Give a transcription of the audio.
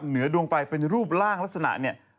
ดวงไฟเป็นรูปร่างลักษณะเนี่ย